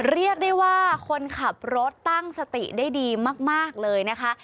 เรียกได้ว่าคนขับรถตั้งสติได้ดีมากเลยนะคะ